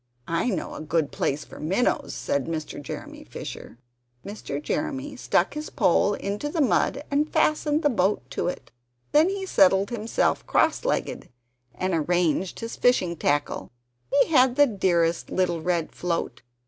"I know a good place for minnows," said Mr. Jeremy Fisher. Mr. Jeremy stuck his pole into the mud and fastened the boat to it. Then he settled himself cross legged and arranged his fishing tackle. He had the dearest little red float.